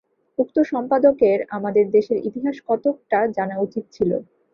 উক্ত সম্পাদকের আমাদের দেশের ইতিহাস কতকটা জানা উচিত ছিল।